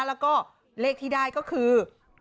แล้วก็เลขที่ได้ก็คือ